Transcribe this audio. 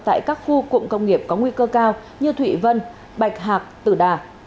tại các khu cụm công nghiệp có nguy cơ cao như thụy vân bạch hạc tử đà